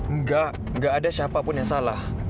nggak nggak ada siapa pun yang salah